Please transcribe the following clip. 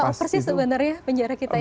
pak persis sebenarnya penjara kita itu